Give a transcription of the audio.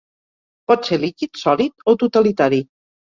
Pot ser líquid, sòlid o totalitari.